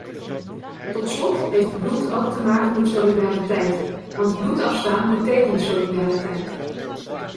Tot slot heeft bloed ook te maken met solidariteit, want bloed afstaan betekent solidariteit.